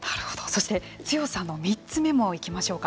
そして強さの３つ目もいきましょうか。